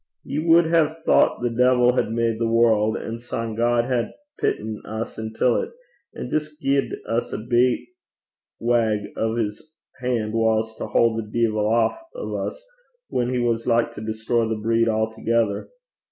Ye wad hae thocht the deevil had made the warl', and syne God had pitten us intil 't, and jist gied a bit wag o' 's han' whiles to haud the deevil aff o' 's whan he was like to destroy the breed a'thegither.